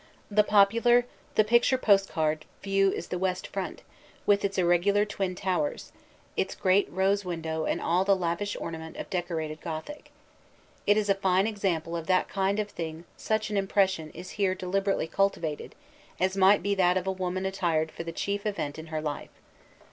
The popular, the picture postcard, view is the west front, with its irregular twin towers, its great rose window and all the lavish ornament of decorated Gothic. It is a fine example of that kind of thing such an impression is here deliberately cultivated as might be that of a woman attired for the chief event in her life.